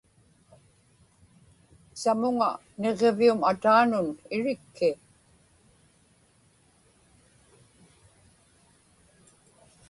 samuŋa niġġivium ataanun irikki